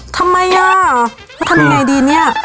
ทำไมอ่ะถ้าทำนะไงดีเนี่ย